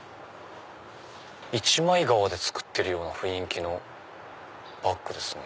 一枚革で作ってるような雰囲気のバッグですね。